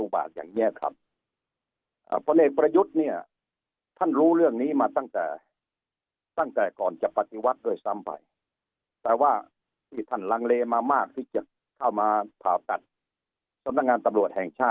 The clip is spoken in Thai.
มันก็เป็นวงจ